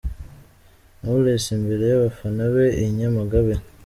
Knowless imbere y'abafana be i Nyamagabe.